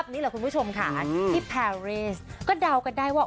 นี่แหละคุณผู้ชมค่ะที่แพรรีสก็เดากันได้ว่า